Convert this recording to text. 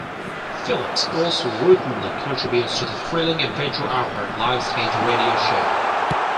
Philipps also routinely contributes to the "Thrilling Adventure Hour", a live stage radio show.